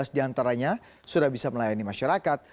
tujuh belas di antaranya sudah bisa melayani masyarakat